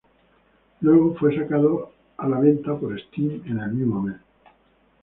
Luego, fue sacada a la venta por Steam en el mismo mes.